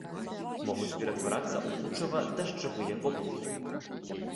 Могуць ператварацца ў кучава-дажджавыя воблакі.